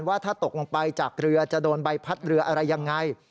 ว่าถ้าตกลงไปจากเรือจะโดนใบพัดเรืออะไรยังไง